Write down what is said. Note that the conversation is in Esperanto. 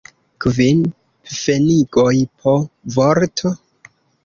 Kvin pfenigoj po vorto.